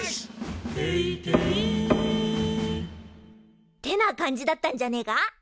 「閉廷」ってな感じだったんじゃねえか？